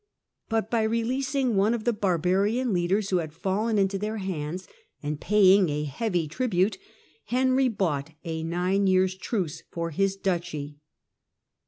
But by releasing one of the barbarian leaders who had fallen into his hands, and paying a heavy tribute, Henry bought a nine years' truce for his duchy.